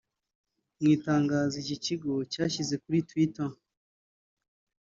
Mu itangazo iki Kigo cyashyize kuri Twitter